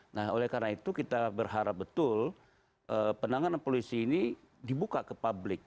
nah oleh karena itu kita berharap betul penanganan polisi ini dibuka ke publik